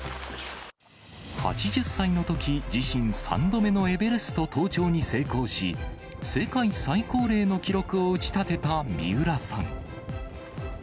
８０歳のとき、自身３度目のエベレスト登頂に成功し、世界最高齢の記録を打ち立てた三浦さん。